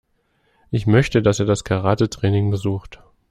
Ich möchte, dass er das Karatetraining besucht.